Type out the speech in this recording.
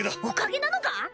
おかげなのか？